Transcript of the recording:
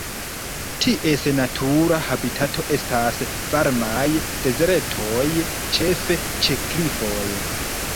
Ties natura habitato estas varmaj dezertoj ĉefe ĉe klifoj.